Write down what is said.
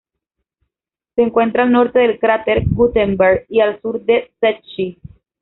Se encuentra al norte del cráter Gutenberg, y al sur de Secchi.